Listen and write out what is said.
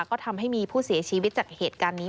ก็ทำให้มีผู้เสียชีวิตจากเหตุการณ์นี้